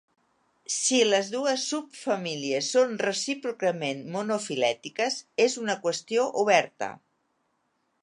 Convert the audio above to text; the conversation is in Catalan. Si les dues subfamílies són recíprocament monofilètiques, és una qüestió oberta.